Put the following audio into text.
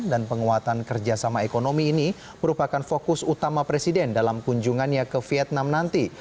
dan penguatan kerjasama ekonomi ini merupakan fokus utama presiden dalam kunjungannya ke vietnam nanti